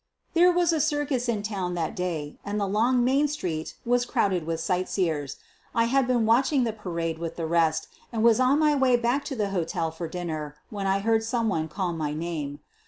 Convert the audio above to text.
There was a circus in town that day and the long main street was crowded with sightseers. I had been watching the parade with the rest and was on my way back to the hotel for dinner when I heard some one call my name.